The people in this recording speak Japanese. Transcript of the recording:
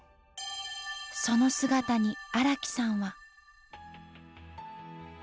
その姿に荒木さんは。